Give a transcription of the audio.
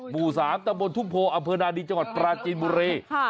หมู่๓ตะบนทุ่งโพอำเภอนาดีจังหวัดปราจีนบุรี